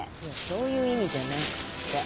そういう意味じゃなくて。